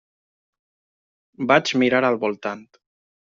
Vaig mirar al voltant.